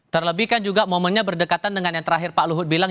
terlebih kan juga momennya berdekatan dengan yang terakhir pak luhut bilang